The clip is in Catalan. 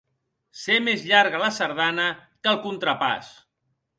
Ser més llarga la sardana que el contrapàs.